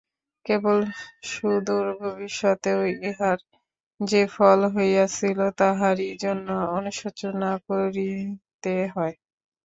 কেবল সুদূর ভবিষ্যতে ইহার যে ফল হইয়াছিল, তাহারই জন্য অনুশোচনা করিতে হয়।